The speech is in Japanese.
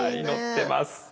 祈ってます。